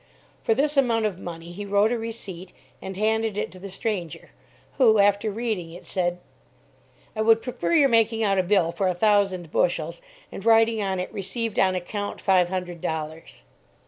For this amount of money he wrote a receipt and handed it to the stranger, who, after reading it, said "I would prefer your making out a bill for a thousand bushels, and writing on it, 'Received on account, five hundred dollars.'"